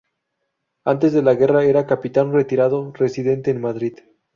Antes de la guerra era capitán retirado, residente en Madrid.